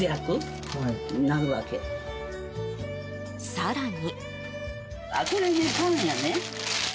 更に。